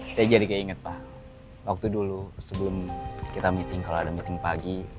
saya jadi kayak inget pak waktu dulu sebelum kita meeting kalau ada meeting pagi